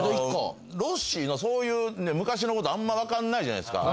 ロッシーのそういう昔のことあんまわかんないじゃないですか。